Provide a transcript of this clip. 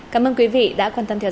cảm ơn quý vị đã quan tâm theo dõi